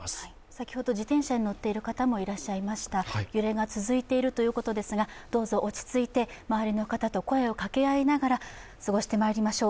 先ほど自転車に乗っている方もいらっしゃいました揺れが続いていると思いますがどうぞ落ち着いて周りの方と声を掛け合いながら過ごしてまいりましょう。